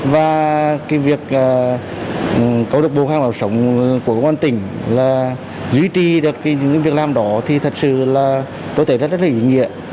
và cái việc câu lạc bộ ngân hàng máu sống của công an hà tĩnh là duy trì được những việc làm đó thì thật sự là tôi thấy rất là ý nghĩa